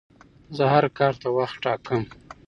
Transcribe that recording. زه هر کار ته وخت ټاکم.